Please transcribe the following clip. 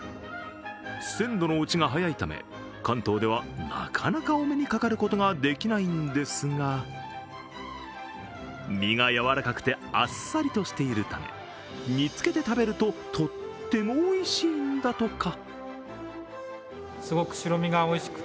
鮮度の落ちが早いため関東ではなかなかお目にかかることができないんですが身がやわらかくて、あっさりとしているため、煮つけで食べるととってもおいしいんだとか。